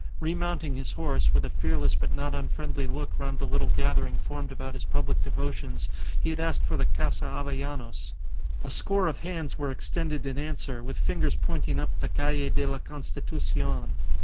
Remounting his horse, with a fearless but not unfriendly look round the little gathering formed about his public devotions, he had asked for the Casa Avellanos. A score of hands were extended in answer, with fingers pointing up the Calle de la Constitucion.